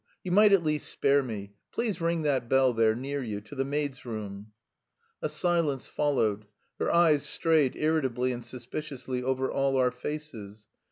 You might at least spare me.... Please ring that bell there, near you, to the maid's room." A silence followed. Her eyes strayed irritably and suspiciously over all our faces.